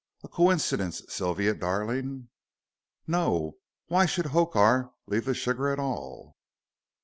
A coincidence, Sylvia darling." "No. Why should Hokar leave the sugar at all?"